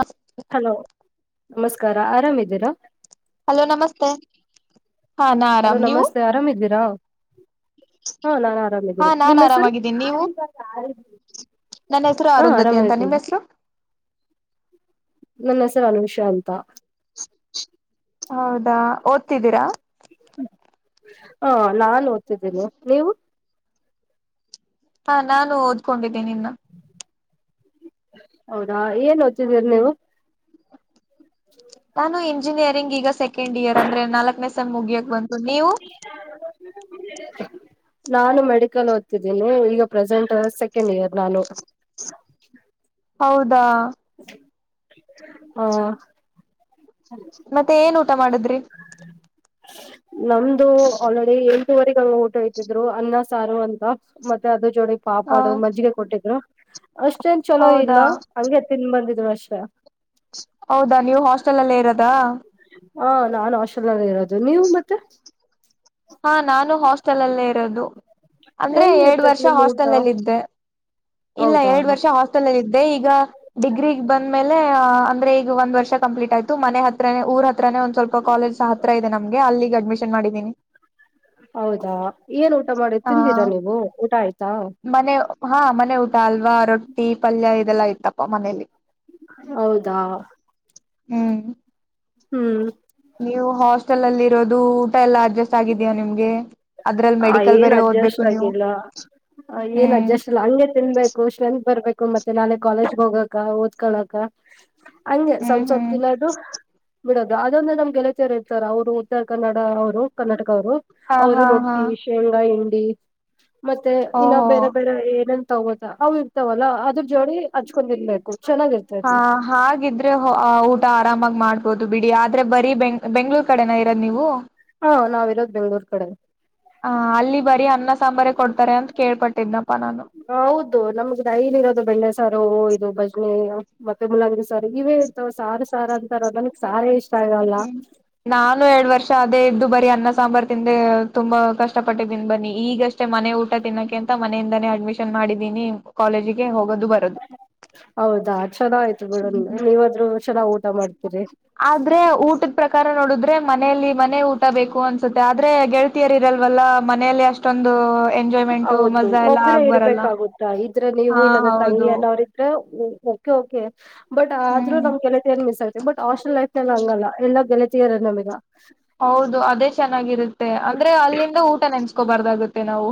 ಹ ಹಲೋ ನಮಸ್ಕಾರ ಆರಾಮ್ದೀರಾ ಹಲೋ ನಮಸ್ತೆ ಹಾ ನಾ ಹಲೋ ಆರಾಮ್ ನೀವು ನಮಸ್ತೆ ಆರಾಮ್ದ್ರಾ ಹಾ ನಾನ್ ಹಾ ಆರಾಮದ್ದೀನೆ ನಾನ್ ನಿಮ್ಮ್ ಹೆಸರು ಆರಾಮಾಗಿದ್ದೀನಿ ನೀವು [unintelligible] ನನ್ನ ಹೆಸರು ಅರುಂಧತಿ ಅಂತ ನಿಮ್ಮ್ ಆರಾಮಿದ್ದೀನಿ ಹೆಸರು ನನ್ನ ಹೆಸರು ಅನುಷಾ ಅಂತ ಹೌದಾ ಓದ್ತಿದ್ದೀರಾ ಹ್ಮ್ ನಾನ್ ಓದ್ತಿದ್ದೀನಿ ನೀವು ಹಾ ನಾನು ಓದ್ಕೊಂಡಿದ್ದೀನಿ ಇನ್ನ್ ಹೌದಾ ಏನ್ ಓದ್ತಿದೀರ್ ನೀವು [inaudible] ನಾನು ಇಂಜಿನಿಯರಿಂಗ್ ಈಗ ಸೆಕೆಂಡ್ ಇಯರ್ ಅಂದ್ರೆ ನಾಲ್ಕನೇ ಸೇಮ್ಮ ಮುಗಿಯಕ್ ಬಂತು ನೀವು ನಾನು ಮೆಡಿಕಲ್ ಓದ್ತಿದ್ದೀನಿ ಈಗ ಪ್ರೆಸೆಂಟ್ ಸೆ ಸೆಕೆಂಡ್ ಇಯರ್ ನಾನು ಹೌದಾ ಹಾ ಮತ್ತೆ ಏನ್ ಊಟ ಮಾಡದ್ರಿ [inaudible] ನಮ್ದು ಆಲ್ರೆಡಿ ಎಂಟೂವರಿಗ ಹಂಗ್ ಊಟ ಇತಿದ್ರು ಅನ್ನ ಸಾರು ಅಂತ ಮತ್ತೆ ಅದ್ರ ಜೋಡಿ ಹ ಪಾಪಾಡು ಮಜ್ಜಿಗೆ ಕೊಟ್ಟಿದ್ರು ಅಷ್ಟೇನ್ ಚಲೋ ಇಲ್ಲ ಹೌದಾ ಹಂಗೆ ತಿನ್ ಬಂದಿದ್ ಅಷ್ಟ್ ಹೌದಾ ನೀವ್ ಹಾಸ್ಟೆಲ್ ಅಲ್ಲೇ ಇರದಾ ಹಾ ನಾನ್ ಹಾಸ್ಟೆಲ್ ಅಲ್ಲೆ ಇರೋದ್ ನೀವ್ ಮತ್ತೆ ಹಾ ನಾನು ಹಾಸ್ಟೆಲ್ ಅಲ್ಲೇ ಇರದು ಅಂದ್ರೆ ಎರಡ್ ಹೆಂಗಿರ್ತತ್ ವರ್ಷ ನಿಮ್ ಊಟ ಹಾಸ್ಟೆಲ್ ಅಲ್ಲಿ ಇದ್ದೆ ಇಲ್ಲ ಹೌದಾ ಎರಡ್ ವರ್ಷ ಹಾ ಇದೆ ಈಗ ಡಿಗ್ರಿ ಬಂದ್ಮೇಲೆ ಅಂದ್ರೆ ಈಗ ಒಂದ್ ವರ್ಷ ಕಂಪ್ಲೀಟ್ ಆಯ್ತು ಮನೆ ಹತ್ರನೆ ಊರ್ ಹತ್ರರನೆ ಒಂದ್ ಸ್ವಲ್ಪ ಕಾಲೇಜ್ ಸಹ ಹತ್ರ ಇದೆ ನಮ್ಗೆ ಅಲ್ಲಿಗ ಅಡ್ಮಿಷನ್ ಮಾಡಿದ್ದೀನಿ ಹೌದಾ ಏನ್ ಊಟ ಮಾಡಿ ಆ ತಿಂದಿರಾ ನೀವು ಊಟ ಆಯ್ತಾ ಮನೆ ಹಾ ಮನೆ ಊಟ ಅಲ್ವಾ ರೊಟ್ಟಿ ಪಲ್ಯ ಇದೆಲ್ಲಾ ಇತ್ತಪ್ಪ ಮನೇಲಿ ಹೌದಾ ಹ್ಮ್ ಹ್ಮ್ ನೀವು ಹಾಸ್ಟೆಲ್ ಅಲ್ಲಿ ಇರೋದು ಊಟ ಎಲ್ಲಾ ಅಡ್ಜಸ್ಟ್ ಆಗಿದೀಯಾ ನಿಮ್ಗೆ ಅದ್ರಲ್ಲಿ ಆ ಮೆಡಿಕಲ್ ಏನ್ ಬೇರೆ ಓದ್ಬೇಕು ಅಡ್ಜಸ್ಟ್ ನೀವು ಆಗಿಲ್ಲ ಏನ್ ಹ್ಮ್ ಅಡ್ಜಸ್ಟ್ ಇಲ್ಲ ಹಂಗೆ ತಿನ್ಬೇಕ್ ಕೋಷನ್ ಬರ್ಬೇಕು ಮತ್ತೆ ನಾಳೆ ಕಾಲೇಜ್ಗೆ ಹೋಗಕ ಓದ್ಕೊಳ್ಳಕ ಹಂಗೆ ಹ್ಮ್ ಸ್ವಲ್ಪ ಸ್ವಲ್ಪ ಹ್ಮ್ ತಿನ್ನದು ಬಿಡೋದು ಅದೊಂದ್ ನಮ್ ಗೆಳತಿಯರು ಇರ್ತಾರ ಅವರು ಉತ್ತರ ಕನ್ನಡ ಅವರು ಕರ್ನಾಟಕ ಅವರು ಹಾ ಅವರು ಹಾ ರೊ ಹಾ ಶೇಂಗಾ ಹಿಂಡಿ ಮತ್ತೆ ಇನ್ನ ಓಹೋ ಬೇರೆ ಬೇರೆ ಏನ ತಗೊತಾ ಅವು ಇರ್ತಾವಲ್ಲಾ ಅದ್ರ ಜೋಡಿ ಹಚ್ಕೊಂಡ ತಿನ್ನಬೇಕು ಚೆನ್ನಾಗಿರ್ತ ಹಾ ಹಾಗಿದ್ರೆ ಊಟ ಆರಾಮಾಗ ಮಾಡ್ಬೋದು ಬಿಡಿ ಆದ್ರೆ ಬರೀ ಬೆಂಗ್ ಬೆಂಗ್ಳೂರ್ ಕಡೆನ ಇರದ ನೀವು ಹಾ ನಾವ್ ಇರದ್ ಬೆಂಗ್ಗಳೂರ್ ಕಡೆನೆ ಹ ಅಲ್ಲಿ ಬರೀ ಅನ್ನ ಸಾಂಬಾರೆ ಕೊಡ್ತಾರೆ ಅಂತ ಕೇಳ್ಪಟ್ಟಿದ್ನಪ್ಪಾ ನಾನು ಹೌದು ನಮ್ಗ ಡೈಲಿ ಇರೋದು ಬೆಣ್ಣೆಸಾರು ಇದು ಭದನೆ ಮತ್ತೆ ಮುಲಂಗಿ ಸಾರ ಇವೇ ಇರ್ತವ್ ಸಾರು ಸಾರ ಅಂತಾರಲ್ಲ ನನಗ್ ಸಾರೆ ಇಷ್ಟ ಆಗಲ್ಲ ಹ್ಮ್ ನಾನು ಎರಡ್ ವರ್ಷ ಅದೇ ಇದ್ದು ಬರೀ ಅನ್ನ ಸಾಂಬಾರ್ ತಿಂದೆ ತುಂಬಾ ಕಷ್ಟಪಟ್ಟಿದಿನ್ನಿ ಬನ್ನಿ ಈಗಷ್ಟೇ ಅಷ್ಟೆ ಮನೆ ಊಟ ತಿನ್ನಕ್ಕೆ ಅಂತ ಮನೆಯಿಂದಾನೇ ಅಡ್ಮಿಷನ್ ಮಾಡಿದ್ದೀನಿ ಕಾಲೇಜಿಗೆ ಹೋಗೋದು ಬರ್ ಹೌದಾ ಚಲೊ ಆಯ್ತು ಬಿಡ್ ನೀವಾದ್ರು ಚೆನ್ನಾಗ್ ಊಟ ಮಾಡ್ತೀರಿ ಆದ್ರೆ ಊಟದ ಪ್ರಕಾರ ನೋಡುದ್ರೆ ಮನೇೆಯಲ್ಲಿ ಮನೆ ಊಟ ಬೇಕು ಅನ್ಸುತ್ತೆ ಆದ್ರೆ ಗೆಳ ತಿರಲ್ವಲ್ಲ ಮನೆಯಲ್ಲಿ ಅಷ್ಟೊಂದು ಎಂಜಾಯ್ಮೆಂಟ್ ಹೌದು ಮಜಾ ಎಲ್ಲ ಒಬ್ಬರೇ ಆಗ್ ಬರಲ್ಲ ಇರ್ಬೇಕಾಗುತ್ತಾ ಇದ್ರೆ ನೀವು ಹಾ ಇಲ್ಲಂದರ್ ತಂಗಿ ಹೌದು ಎಲ್ಲ ಅವ್ರ ಓಕೆ ಓಕೆ ಬಟ್ ಆದ್ರೂ ಹ್ಮ್ ನಮ್ ಕೆಲಸ ಏನ್ ಮಿಸ್ ಆಗ್ ಬಟ್ ಹಾಸ್ಟೆಲ್ ಲೈಫ್ ನಲ್ಲಿ ಹಂಗಲ್ಲ ಎಲ್ಲಾ ಗೆಳತರ ನಮಗ ಹೌದು ಅದೇ ಚೆನ್ನಾಗಿರುತ್ತೆ ಅಂದ್ರೆ ಅಲ್ಲಿಂದ ಊಟ ನೆನ್ಸ್ಕೋಬಾರ್ದಾಗುತ್ತೆ ನಾವು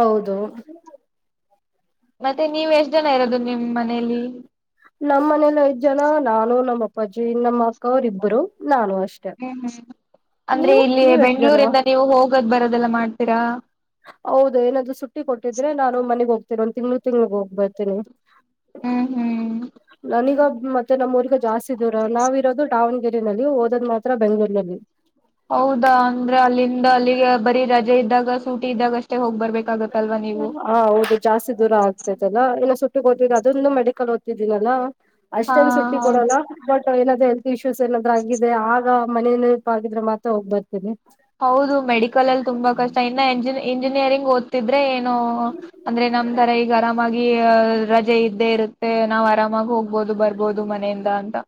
ಹೌದು ಮತ್ತೆ ನೀವ್ ಎಷ್ಟ ಜನ ಇರೋದು ನಿಮ್ ಮನೇಲಿ ನಮ್ಮ್ ಮನೇಲಿ ಐದ್ ಜನ ನಾನು ನಮ್ಮ ಅಪ್ಪಾಜಿ ನಮ್ಮ ಅಕ್ಕ ಅವರು ಇಬ್ಬರು ನಾನು ಅಷ್ಟೇ ಹ್ಮ್ ಹ್ಮ್ ಅಂದ್ರೆ ಇಲ್ಲಿ ಎಷ್ಟ್ ಜನ ಬೆಂಗ್ಳೂರಿಂದ ನೀವು ಹೋಗೋದ್ ಬರೋದೆಲ್ಲ ಮಾಡ್ತೀರಾ ಹೌದು ಏನಾದ್ರೂ ಸುಟ್ಟಿ ಕೊಟ್ಟಿದ್ರೆ ನಾನು ಮನೆಗ್ ಹೋಗ್ತೇನೆ ಒಂದ್ ತಿಂಗ್ಳ ತಿಂಗ್ಳಿಗೆ ಹೋಗ್ ಬರ್ತೇನೆ ಹ್ಮ್ ಹ್ಮ್ ಹ [inaudible] ನನೀಗ ಮತ್ತೆ ನಮ್ಮ ಊರಿಗ ಜಾಸ್ತಿ ದೂರ ನಾವಿರೋದು ದಾವಣಗೆರೆ ನಲ್ಲಿ ಓದೋದ್ ಮಾತ್ರ ಬೆಂಗಗಳೂರ್ನಲ್ಲಿ ಹೌದಾ ಅಂದ್ರೆ ಅಲ್ಲಿಂದ ಅಲ್ಲಿಗೆ ಬರೀ ರಜೆ ಇದ್ದಾಗ ಸೂಟಿ ಇದ್ದಾಗ ಅಷ್ಟೇ ಹೋಗ್ ಬರ್ಬೇಕಾಗತ್ತೆ ಲ್ವಾ ನೀವು ಹಾ ಹೌದು ಜಾಸ್ತಿ ದೂರ ಆಗ್ತದಲ್ಲ ಏನ ಸುಟ್ಟಿ ದ್ ಅದೊಂದು ಮೆಡಿಕಲ್ ಓದ್ತಿದ್ದೀನಲ್ಲಾ ಹಾ ಅಷ್ಟೇನ್ ಸುಟ್ಟಿ ಕೊಡೋಣ ಹೌದು ಬಟ್ ಏನಾದ್ರು ಹೆಲ್ತ್ ಇಶ್ಯೂಸ್ ಏನಾದ ಆಗಿದೆ ಆ ಮನಪ್ ಆಗಿದ್ರೆ ಮಾತ್ರ ಹೋಗ್ ಬರ್ತೇನಿ ಹೌದು ಮೆಡಿಕಲ್ ಅಲ್ಲಿ ತುಂಬಾ ಕಷ್ಟ ಇನ್ನಂಜ ಇಂಜಿನಿಯರಿಂಗ್ ಓದ್ತಿದ್ರೆ ಏನು ಅಂದ್ರೆ ನಮ್ ತರ ಈಗ ಆರಾಮಾಗಿ ರಜೆ ಇದ್ದೇ ಇರುತ್ತೆ ನಾವ್ ಆರಾಮಾಗಿ ಹೋಗ್ಬೋದು ಬರ್ಬೋದು ಮನೆಯಿಂದ ಅ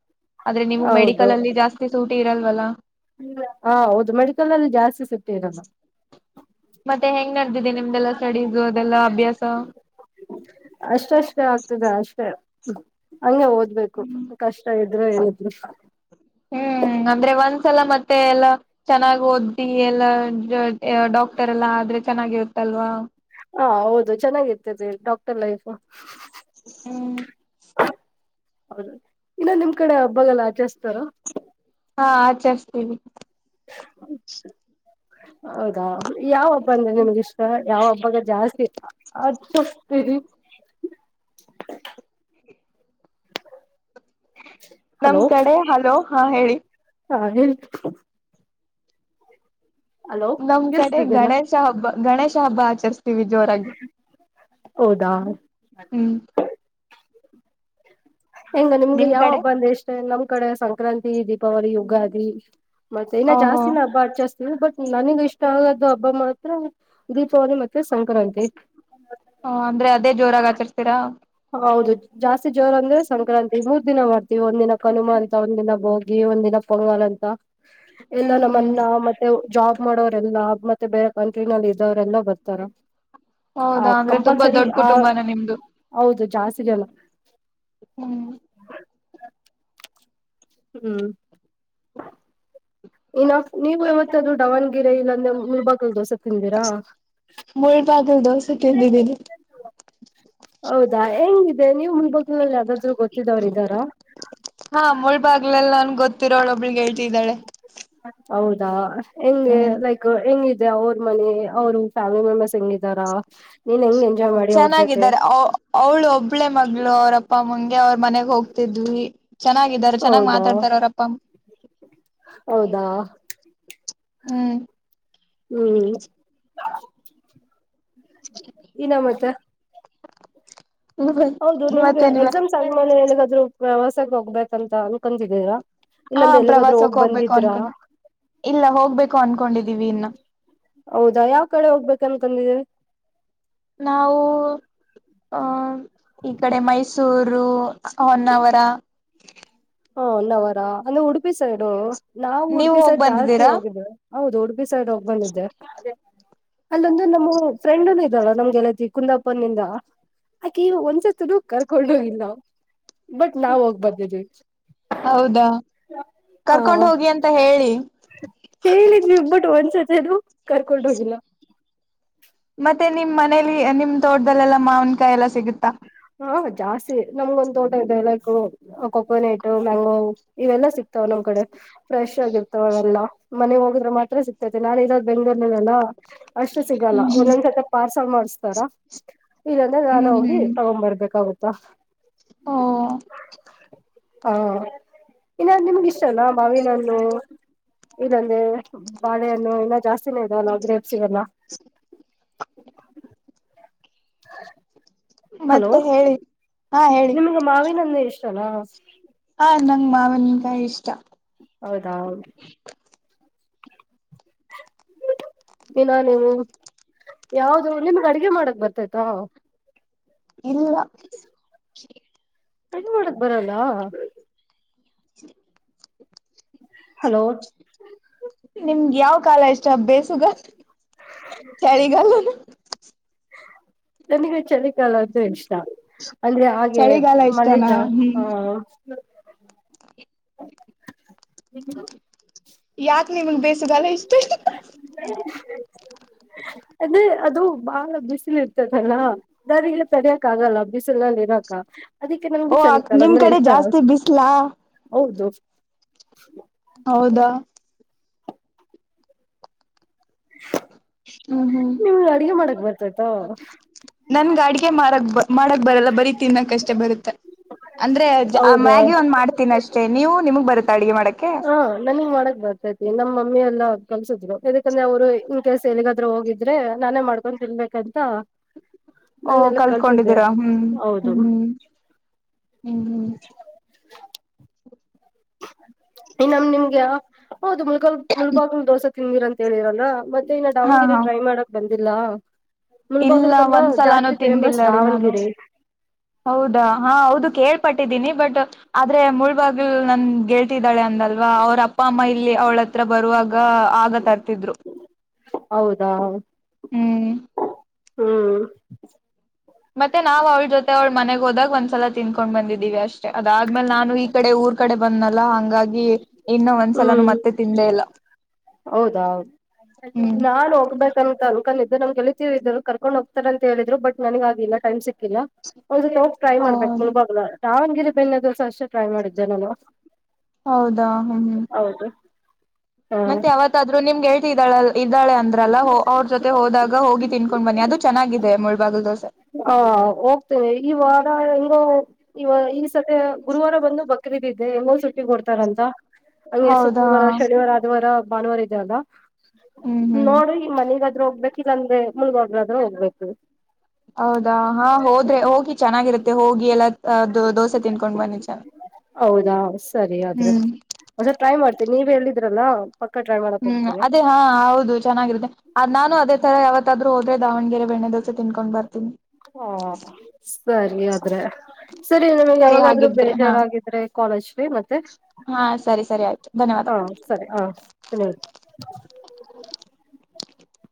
ಆದ್ರೆ ನೀವು ಹೌದು ಮೆಡಿಕಲ್ ಅಲ್ಲಿ ಜಾಸ್ತಿ ಸೂಟಿ ಇರಲ್ವಲ್ಲ ಹ ಹೌದು ಮೆಡಿಕಲ್ ಅಲ್ಲಿ ಜಾಸ್ತಿ ಸಿಟ್ಟಿರಲ್ಲ ಮತ್ತೆ ಹೆಂಗ್ ನಡೆದಿದೆ ನಿಮ್ದೆಲ್ಲ ಸ್ಟಡೀಸ್ ಅದೆಲ್ಲಾ ಅಭ್ಯಾಸ ಅಷ್ಟಷ್ಟೇ ಆಗ್ತದೆ ಅಷ್ಟೇ ಹಂಗೆ ಓದ್ಬೇಕು ಹ್ಮ್ ಕಷ್ಟ ಇದೆ ಅ್ರ ಏನಾದ್ರು ಹ್ಮ್ ಅಂದ್ರೆ ಒಂದ್ಸಲ ಮತ್ತೆ ಎಲ್ಲ ಚೆನ್ನಾಗ್ ಓದಿ ಎಲ್ಲ ಡಾಕ್ಟರ್ ಎಲ್ಲ ಆದ್ರೆ ಚೆನ್ನಾಗಿರುತ್ತಲ್ವಾ ಹ ಹೌದು ಚೆನ್ನಾಗಿರ್ತರಿ ಡಾಕ್ಟರ್ ಲೈಫ್ ಹ್ಮ್ [inaudible] ಹೌದು ಇನ್ನೊ ನಿಮ್ ಕಡೆ ಹಬ್ಬಗೆಲ್ಲ ಆಚರಿಸ್ತಾರ ಹಾ ಆಚರಿಸಸ್ತೀವಿ ಹೌದಾ ಯಾವಬ್ಬಂದ ನಿಮಗಿಷ್ಟ ಯಾವ ಹಬ್ಬಾಗ ಜಾಸ್ತಿ ಇ ಅಸ್ತೀರಿ [inaudible] ಹ [inaudible] ನಮ್ ಕಡೆ ಹಲೋ ಹಾ ಹೇಳಿ ಹಾ ಹೇಳ ಹಲೋ ನಮ್ ಕಡೆ ಕೇಳಿಸ್ತಿದ್ದೇನಾ ಗಣೇಶ ಹಬ್ಬ ಗಣೇಶ ಹಬ್ಬ ಆಚರಿಸಸ್ತೀವಿ ಜೋರಾಗಿ ಹೌದಾ ಹ್ಮ್ ಹೆಂಗ ನಿಮ್ಗ ನಿಮ್ ಯಾವ ಕಡೆ ಹಬ್ಬ ಅಂದ ಇಷ್ಟೇ ನಮ್ ಕಡೆ ಸಂಕ್ರಾಂತಿ ದೀಪಾವಳಿ ಯುಗಾದಿ ಮತ್ತೆ ಇನ ಓಹೋ ಜಾಸ್ತಿನಾ ಹಬ್ಬಾ ಜಾಸ್ತಿ ಬಟ್ ನನಗ ಇಷ್ಟ ಆಗ್ದು ಹಬ್ಬ ಮಾತ್ರ ದೀಪಾವಳಿ ಮತ್ತೆ ಸಂಕ್ರಾಂತಿ ಹ ಅಂದ್ರೆ ಅದೇ ಜೋರಾಗ ಆಚರಿಸತೀರಾ ಹೌದು ಜಾಸ್ತಿ ಜೋರ ಅಂದ್ರೆ ಸಂಕ್ರಾಂತಿ ಮೂರ್ ದಿನ ಮಾಡ್ತೀವಿ ಒಂದಿನ ಕನುಮಾ ಅಂತ ಒಂದಿನ ಬೋಗಿ ಒಂದಿನ ಪೊಂಗಲ್ ಅಂತ ಎಲ್ಲ ಹ್ಮ್ ನಮ್ಮ ಹ್ಮ್ ಅಣ್ಣ ಮತ್ತೆ ಜಾಬ್ ಮಾಡೋವರೆಲ್ಲ ಮತ್ತೆ ಬೇರೆ ಕಂಟ್ರಿನಲ್ಲಿ ಇದ್ದವರೆಲ್ಲ ಬರ್ತಾರ ಆ ಹೌದಾ ಅಂದ್ರೆ ತುಂಬಾ ಕಂಪಲ್ಸರಿ ದೊಡ್ಡ ಆ ಕುಟುಂಬನ ನಿಮ್ದು ಸಿಗಲ್ಲ ಹ್ಮ್ ಹ್ಮ್ ಇನ್ನು ನೀವು ಯವತ್ತಾದ್ರೂ ದಾವಣಗೆರೆ ಇಲ್ಲಾಂದ್ರೆ ಮುಳಬಾಗಿಲ್ ದೋಸೆ ತಿಂದೀರಾ ಮುಳಬಾಗಲ್ ದೋಸೆ ತಿಂದಿದ್ದೀನಿ ಹೌದಾ ಹೆಂಗಿದೆ ನೀವ್ ಮುಲಬಾಗ್ಲ್ ಲ್ ಯಾವ್ ದಾದ್ರು ಗೊತ್ತಿದವ್ರ ಇದಾರ ಹಾ ಮುಳಬಾಗ್ಲೆಲ್ಲ ನನ್ಗೆ ಗೊತ್ತಿರೋಳ ಒಬ್ಲು ಗೆಳತಿ ಇದಾಳೆ ಹೌದಾ ಹೆಂಗೆ ಹ್ಮ್ ಲೈಕ್ ಹೆಂಗಿದೆ ಅವ್ರ ಮನೆ ಅವರು ಫ್ಯಾಮಿಲಿ ಮೆಂಬರ್ಸ್ ಹೆಂಗಿದಾರಾ ಚೆನ್ನಾಗಿದ್ದಾರೆ ಅವ್ ಅವ್ಳು ಒಬ್ಬಳೆ ಮಗಳು ಅವ್ರಪ್ಪಮ್ಮಂಗೆ ಅವ್ರ ಮನೆಗೆ ಹೋಗ್ತಿದ್ವಿ ಚೆನ್ನಾಗಿದ್ದಾರೆ ಚೆನ್ನಾಗ್ ಹೌದಾ ಮಾತಾಡ್ತಾರ ಅವ್ರ ಅಪ್ಪ ಅಮ್ಮ ಹೌದಾ ಹ್ಮ್ ಹ್ಮ್ ಇನ ಮತ್ತ ಹೌದು ನಿಮ್ಗೆ ಮತ್ತೇನಿಲ್ಲ ಎಕ್ಸಾಮ್ ಸರಿ ಮೇಲೆ ಎಲ್ಲಿಗಾದ್ರೂ ವ್ಯವಾಸಕ್ಕೆ ಹೋಗ್ಬೇಕ ಅಂತ ಅನ್ಕಂತಿದ್ದೀರಾ ಹಾ ಇಲ್ಲಾಂದ್ರೆ ಎಲ್ಲಿಗಾದ್ರೂ ಹೋಗಿ ಪ್ರವಾಸಕ್ ಹೋಗ್ಬೇಕು ಬಂದಿದ್ರಾ ಅನ್ಕೊಂಡ ಇಲ್ಲ ಹೋಗ್ಬೇಕು ಅನ್ಕೊಂಡಿದ್ದೀವಿ ಇನ್ನ್ ಹೌದಾ ಯಾವ್ ಕಡೆ ಹೋಗ್ಬೇಕನ್ಕಡಿದಿರಿ ನಾವು ಅ ಈ ಕಡೆ ಮೈಸೂರು ಹೊನ್ನಾವರ ಹಾ ಹೋನ್ನಾವರ ಅಂದ್ರೆ ಉಡುಪಿ ಸೈಡು ನಾವು ನೀವ್ ಉಡುಪಿ ಹೋಗ್ ಸೈಡ್ ಜಾಸ್ತಿ ಬಂದಿದ್ದೀರಾ ಹೋಗಿದ್ವಿ ಹೌದು ಉಡುಪಿ ಸೈಡ್ ಹೋಗ್ಬಂದಿದ್ದೆ ಅಲ್ಲೊಂದು ನಮ್ಮ ಫ್ರೆಂಡ್ನು ಇದ್ದಳ ನಮ್ಗೆಲತಿ ಕುಂದಾಪುರನಿಂದ ಅಕೆ ಒಂದ್ಸತ ಕರ್ಕೊಂಡ ಹೋಗಿಲ್ಲ ನಾವು ಬಟ್ ನಾವ ಹೋಗ್ ಬರ್ದಿದ್ವಿ ಹೌದಾ ಆ ಕರ್ಕೊಂಡ್ ಹೋಗಿ ಅಂತ ಹೇಳಿ ಹೇಳಿದ್ವಿ ಬಟ್ ಒಂದ್ಸತಿದು ಕರ್ಕೊಂಡು ಹೋಗಿಲ್ಲ ಮತ್ತೆ ನಿಮ್ ಮನೇಲಿ ನಿಮ್ ತೋಟ್ದಲ್ಲೆಲ್ಲಾ ಮಾವಿನ ಕಾಯಿ ಎಲ್ಲಾ ಸಿಗುತ್ತಾ ಹಾ ಜಾಸ್ತಿ ನಮ್ಗೊಂದ ತೋಟ ಇದೆ ಲೈಕು ಕೊಕೋನಟ್ ಮ್ಯಾಂಗೋ ಇವೆಲ್ಲಾ ಸಿಕ್ತಾವ ನಮ್ ಕಡೆ ಫ್ರೆಶ್ ಆಗಿರ್ತವೆ ಅವೆಲ್ಲಾ ಮನೆ ಹೋಗಿದ್ರೆ ಮಾತ್ರ ಸಿಗ್ತೈತೆ ನಾನ ಇರೋದ್ ಬೆಂಗಳೂರನಲ್ಲಾ ಅಷ್ಟು ಸಿಗಲ್ಲ ಹ್ಮ್ ಒಂದೊಂದ್ ಸತೆ ಪಾರ್ಸಲ್ ಮಾಡಸ್ತಾರ ಇಲ್ಲಂದ್ರೆ ನಾನ ಹ್ಮ್ ಹ್ಮ್ ಹೋಗಿ ಹ್ಮ್ ತಗೊಂಡ್ ಬರ್ಬೇಕಾಗತ್ತಾ ಓ ಹಾ ಇನ್ನ ನಿಮ್ಗೆ ಇಷ್ಟನಾ ಮಾವಿನ ಹಣ್ಣು ಇದಂದೆ ಬಾಳೆಹಣ್ಣು ಎಲ್ಲ ಜಾಸ್ತಿನೇ ಇದೆಲ್ಲ ಗ್ರೇಬ್ಸ ಇ ಎಲ್ಲಾ [unintelligible] [unintelligible] ಹಲೋ ಮತ್ತೆ ಹೇಳಿ ಹಾ ಹೇಳಿ ನಿಮ್ಗ ಮಾವಿನ ಹಣ್ಣ ಅಂದ್ರೆ ಇಷ್ಟನಾ ಹ ನಂಗ್ ಮಾವಿನಕಾಯಿ ಇಷ್ಟಾ ಹೌದಾದು [unintelligible] ಇನ್ನಾ ನೀವು ಯಾವ್ದ ನಿಮ್ಗ್ ಅಡಗೆ ಮಾಡಕ್ ಬರ್ತೈತಾ ಇಲ್ಲಾ ಕಡಿ ಮಾಡಕ್ ಬರಲ್ಲಾ ಸ [inaudible] ಹಲೋ ನಿಮ್ಗೆ ಯಾವ ಕಾಲ ಇಷ್ಟ ಬೇಸಿಗೆ ನಾ ಕಾಲಿ ನನಗೆ ಚಳಿ ಲ್ಲ್ದು ಇಷ್ಟ ಅಂದ್ರೆ ಹಾಗೆ ಚಳಿಗಾಲ ಮಳ ಇಷ್ಟನಾ ಜಾಸ್ತಿ ಹ್ಮ್ ಹ ಯಾಕ ನಿಮಗ್ ಬೇಸ ಬಲ ಇಷ್ಟೇ ಅದೇ ಅದು ಬಾಳ ಬಿಸಿಲಿ ಇರ್ತದಲ್ಲ ದಾರಿ ಇಲ್ಲಿ ತೆರ್ಯಕ್ ಆಗಲ್ಲ ಬಿಸಿಲಲ್ಲಿ ಇರಕ ಅದಕ್ಕೆ ನಮ್ಗೆ ಓ ಚರಿತಲ್ಲ ನಿಮ್ ಅಂದ್ರೆ ಕಡೆ ಜಾಸ್ತಿ ಬಿಸ್ಲಾ ಹೌದು ಹೌದಾ ಹ್ಮ್ ಹ್ಮ್ ನಿಮ್ಗೆ ಅಡ್ಗೆ ಮಾಡಕ್ ಬರ್ತೈತಾ ನನ್ ಗಾಡಿಗೆ ಮಾಡಕ್ ಬ ಮಾಡಕ್ ಬರಲ್ಲ ಬರೀ ತಿನ್ನಕ್ಷ್ಟೇ ಬರುತ್ತೆ ಅಂದ್ರೆ ಹೌದಾ ಮ್ಯಾಗಿ ಒಂದ್ ಮಾಡ್ತೀನ ಅಷ್ಟೆ ನೀವು ನಿಮಗ್ ಬರುತ್ತೆ ಅಡಗೆ ಮಾಡಕ್ಕೆೆ ಹಾ ನನಗ್ ಮಾಡಕ್ ಬರ್ತೈತಿ ನಮ್ಮ ಮಮ್ಮಿ ಎಲ್ಲ ಕಲ್ಸಿದ್ರು ಯಾಕಂದ್ರೆ ಅವರು ಇನ್ ಕೇಸ್ ಎಲ್ಲಿಗಾದ್ ಹೋಗಿದ್ರೆ ನಾನೇ ಮಾಡ್ಕೊಂಡ್ ತಿನ್ಬೇಕಂತ ಓ ನಾನೆಲ್ಲ ಕಲ್ತಿದ್ದೆ ಕಲ್ತ್ಕೊಂಡಿದ್ದೀರಾ ಹ್ಮ್ ಹೌದು ಹ್ಮ್ ಹ್ಮ್ ಹ್ಮ್ ಹ್ಮ್ ಇ ನಮ್ ನಿಮ್ಗೆ ಹೌದು ಮುಳಗಲ್ ಮುಳಬಾಗಲ್ ದೋಸೆ ತಿಂದಿರಂತ ಹೇಳಿದರಲ್ಲ ಮತ್ತೆ ಇನ್ನು ಹಾ ದಾವಣಗಿರೆ ಹಾ ಟ್ರೈ ಮಾಡಕ್ ಬಂದಿಲ್ಲ ಇಲ್ಲ ಮುಲ್ಭಾಗಕಂದ್ರ ಒಂದ್ಸಲಾನೂ ಜಾಸ್ತಿ ತಿಂದಿಲ್ಲ ಫೇಮಸ್ ರೀ ನಾನು ದಾವಣಗಿರೆ ಹೌದಾ ಹಾ ಹೌದು ಕೇಳ್ಪಟ್ಟಿದ್ದೀನಿ ಬಟ್ ಆದ್ರೆ ಮುಳ್ಬಾಗಿಲ್ ನನ್ ಗೆಳ್ತಿದ್ದಾಳೆ ಅಂದಲ್ವಾ ಅವ್ರ ಅಪ್ಪ ಅಮ್ಮ ಇಲ್ಲಿ ಅವ್ಳ ಹತ್ರ ಬರುವಾಗ ಆಗ ತರ್ತಿದ್ರು ಹೌದಾ ಹ್ಮ್ ಹ್ಮ ಮತ್ತೆ ನಾವ್ ಅವಳ ಜೊತೆ ಅವ್ಳ ಮನೆಗ್ ಹೋದಾಗ್ ಒಂದ್ಲ ತಿನ್ಕೊಂಡ್ ಬಂದಿದ್ದೀವಿ ಅಷ್ಟೆ ಅದಾದ್ಮೇಲೆ ನಾನು ಈ ಕಡೆ ಊರ್ ಕಡೆ ಬಂದ್ನಲ್ಲ ಹಂಗಾಗಿ ಇನ್ನು ಒಂದ್ಸಲಾನ ಹ್ಮ್ ಮತ್ತೆ ತಿಂದೇ ಇಲ್ಲ ಹೌದಾ ಹ್ಮ್ ನಾ ಹೋಗಬೇಕ ಕನ್ಕ ಅನ್ಕೊಂಡಿದ್ದೆ ನ್ಗೆ ತೀಳಿದ್ರು ಕರ್ಕೊಂಡ್ ಹೋಗತಾರಂತ ಹೇಳಿದ್ರು ಬಟ್ ನನಗ್ ಆಗಿಲ್ಲ ಟೈಮ್ ಸಿಕ್ಕಿಲ್ಲ ಒಂದು ಹೋಗ್ ಟ್ರೈ ಮಾಡ್ಬೇಕು ಹೌದು ಮುಳಬಾಗಲ ದಾವಣಗಿರೆ ಬೆನ್ನೆ ದಿವಸ ಅಷ್ಟೇ ಟ್ರೈ ಮಾಡಿದ್ದೆ ನಾನು ಹೌದಾ ಹ್ಮ್ ಹ್ಮ್ ಹೌದು ಹ ಮತ್ತೆ ಯಾವತ್ತಾದ್ರೂ ನಿಮ್ಗೆ ಹೇಳ್ತ ಇದ್ದಾಳ ಇದ್ದಳ ಅಂದ್ರಲ್ಲ ಅವ್ರ ಜೊತೆ ಹೋದಾಗ ಹೋಗಿ ತಿನ್ಕೊಂಡ್ ಬನ್ನಿ ಅದು ಚೆನ್ನಾಗಿದೆ ಮುಳಬಾಗಲು ದೋಸೆ ಹಾ ಹೋಗ್ತೇನೆ ಈವಾಗ ಹಂಗೋ ಇವ ಈ ಸತಿ ಗುರುವಾರ ಬಂದು ಬಕ್ರೀದಿದ್ದೆ ಹೋ ಸುಟ್ಟ ಕೊಡ್ತಾರಂತ ಹಂಗೆ ಹೌದಾ ಶುಕ್ರವಾರ ಶನಿವಾರ ಆದದ ವಾರ ಭಾನುವಾರ ಇದೆಯಲ್ಲ ಹ್ಮ್ ಹ್ಮ್ ನೋಡ್ರಿ ಮನೆಗಾದ್ ಹೋಗ್ಬೇಕ ಇಲ್ಲ ಅಂದೆ ಮುಳಗೋಗ್ರಾದ ಹೋಗ್ಬೇಕು ಹೌದಾ ಹಾ ಹೋದ್ರೆ ಹೋಗಿ ಚೆನ್ನಾಗಿರುತ್ತೆ ಹೋಗಿ ಎಲ್ಲ ಅ ದ ದೋಸೆ ತಿನ್ಕೊಂಡ್ ಬನ್ನಿ ಚ ಹ್ಮ್ ಹೊಸ ಟ್ರೈ ಮಾಡ್ತೀ ನೀವೇ ಹೇಳಿದ್ರಲ್ಲಾ ಹ್ಮ್ ಅದೇ ಹಾ ಹೌದು ಚೆನ್ನಾಗಿರುತ್ತೆ ಅ ನಾನು ಅದೇ ತರ ಯಾವತ್ತಾದ್ ಹದ್ರೆ ದಾವಣಗೆರೆ ಬೆಣ್ಣೆ ದೋಸೆ ತಿನ್ಕೊಂಡ್ ಬರ್ತೀನಿ ಹಾ ಸರಿ ಆದ್ರೆ ಸರಿ ನಿಮಗ್ ಸರಿ ಯಾವಾಗಾದ್ ಹಾಗಿದ್ರೆ ಹಾ ಬೇಜಾರಾಗಿದ್ರೆ ಕಾಲೇಜ್ಗೆ ಮತ್ತೆ ಹಾ ಸರಿ ಸರಿ ಆಯ್ತು ಧನ್ಯವಾದ ಹಾ ಸರಿ ಹ ನೋಡಿ [unintelligible]